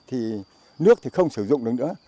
thì nước thì không sử dụng được nữa